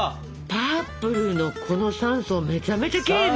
パープルのこの３層めちゃめちゃきれいね。